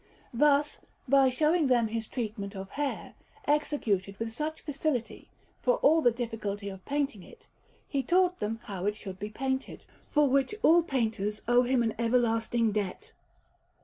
Thus, by showing them his treatment of hair, executed with such facility, for all the difficulty of painting it, he taught them how it should be painted; for which all painters owe him an everlasting debt.